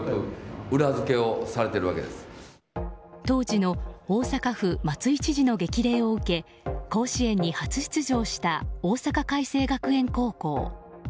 当時の大阪府松井知事の激励を受け甲子園に初出場した大阪偕星学園高校。